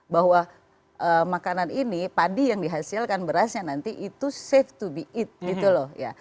bahwa makanan ini padi yang dihasilkan berasnya nanti itu safe to be eat gitu loh ya